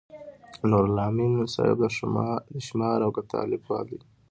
نورالامین صاحب د شمار او قطار لیکوال دی.